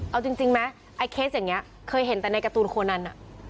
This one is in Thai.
เอาจริงไหมไอ้เคสอย่างนี้เคยเห็นแต่ในการ์ตูนโคนัน